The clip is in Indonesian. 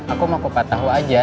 aku mau tahu aja